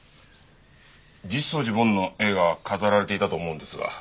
実相寺梵の絵が飾られていたと思うんですが。